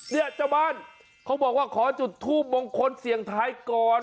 เนี่ยเจ้าบ้านเขาบอกว่าขอจุดทูปมงคลเสียงทายก่อน